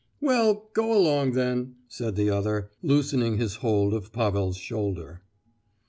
"Well, go along, then!" said the other, loosing his hold of Pavel's shoulder.